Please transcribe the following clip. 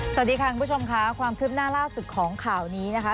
สวัสดีค่ะคุณผู้ชมค่ะความคืบหน้าล่าสุดของข่าวนี้นะคะ